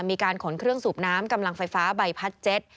มีการขนเครื่องสูบน้ำกำลังไฟฟ้าใบพัดเจ็ต